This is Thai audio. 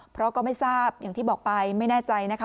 เพราะก็ไม่ทราบอย่างที่บอกไปไม่แน่ใจนะคะ